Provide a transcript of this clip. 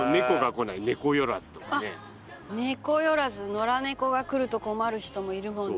野良猫が来ると困る人もいるもんね。